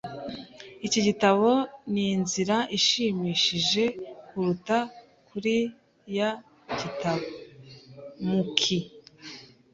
Iki gitabo ninzira ishimishije kuruta kiriya gitabo. (mookeee)